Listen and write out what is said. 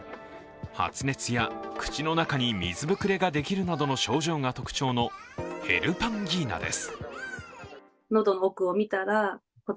発熱や口の中に水ぶくれができるなどの症状が特徴のヘルパンギーナです。